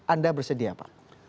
anda bersedia pak